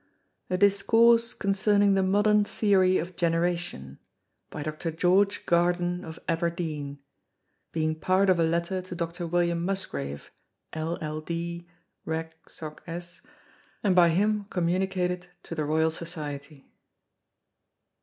_A Discourse concerning the Modern Theory of Generation, by Dr. George Garden of Aberdeen, being part of a Letter to Dr. William Musgrave, L. L. D. Reg. Soc. S. and by him communicated the Royal Society.